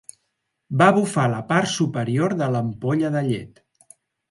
Va bufar la part superior de l'ampolla de llet